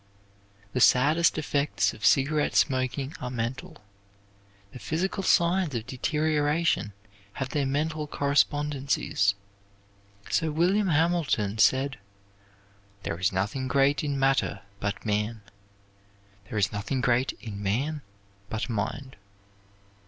The saddest effects of cigarette smoking are mental. The physical signs of deterioration have their mental correspondencies. Sir William Hamilton said: "There is nothing great in matter but man; there is nothing great in man but mind."